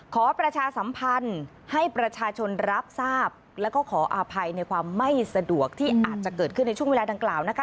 ขอประชาสัมพันธ์ให้ประชาชนรับทราบแล้วก็ขออภัยในความไม่สะดวกที่อาจจะเกิดขึ้นในช่วงเวลาดังกล่าวนะคะ